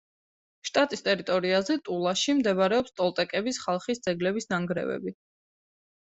შტატის ტერიტორიაზე, ტულაში მდებარეობს ტოლტეკების ხალხის ძეგლების ნანგრევები.